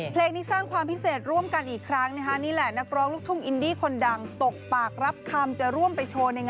เพลงนี้สร้างความพิเศษร่วมกันอีกครั้งนะคะนี่แหละนักร้องลูกทุ่งอินดี้คนดังตกปากรับคำ